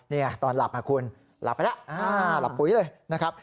นี่ตอนหลับคุณหลับไปแล้วหลับปุ๋ยเลยนะครับ